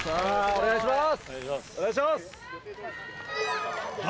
お願いします。